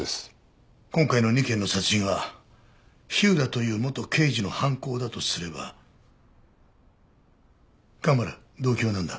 今回の２件の殺人は火浦という元刑事の犯行だとすれば蒲原動機はなんだ？